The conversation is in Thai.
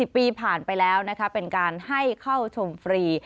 ๔ปีผ่านไปแล้วนะคะเป็นการให้เข้าชมฟรี